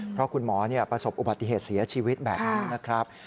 เพราะคุณหมอประสบอุบัติเหตุเสียชีวิตแบบนี้นะครับ